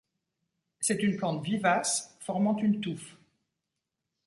C'est une plante vivace formant une touffe.